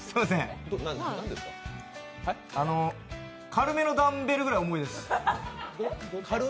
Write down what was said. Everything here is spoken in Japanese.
軽めのダンベルぐらい重いです。